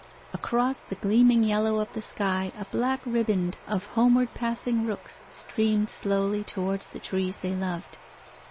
Across the gleaming yellow of the sky a black riband of homeward passing rooks streamed slowly towards the trees they loved.